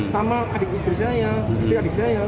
sama adik istri saya istri adik saya